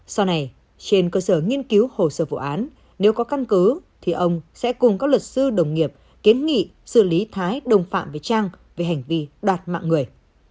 sau này trên cơ sở nghiên cứu hồ sơ vụ án nếu có căn cứ thì ông sẽ cùng các luật sư đồng nghiệp kiến nghị xử lý thái đồng phạm với trang về hành vi đoạt mạng người